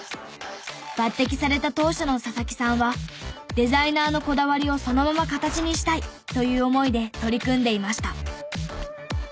抜てきされた当初の佐々木さんはデザイナーのこだわりをそのまま形にしたいという思いで取り組んでいました。